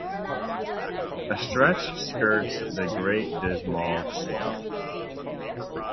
A stretch skirts the Great Dismal Swamp.